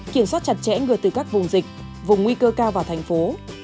kiểm soát chặt chẽ người từ các vùng dịch vùng nguy cơ cao vào thành phố